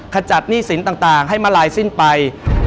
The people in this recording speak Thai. ขจัดหนี้สินต่างให้มาลายสิ้นไป